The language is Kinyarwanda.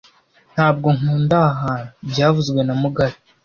Ntabwo nkunda aha hantu byavuzwe na mugabe